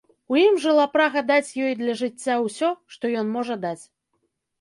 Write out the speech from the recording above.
У ім жыла прага даць ёй для жыцця ўсё, што ён можа даць.